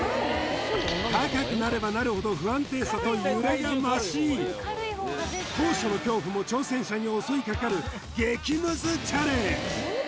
高くなればなるほど不安定さと揺れが増し高所の恐怖も挑戦者に襲いかかる激ムズチャレンジ